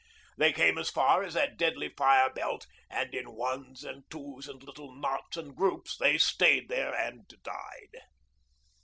They came as far as that deadly fire belt; and in ones and twos and little knots and groups they stayed there and died.